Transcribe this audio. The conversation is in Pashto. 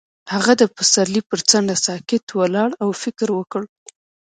هغه د پسرلی پر څنډه ساکت ولاړ او فکر وکړ.